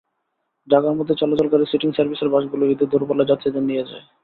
ঢাকার মধ্যে চলাচলকারী সিটিং সার্ভিসের বাসগুলো ঈদে দূরপাল্লার যাত্রীদের নিয়ে যায়।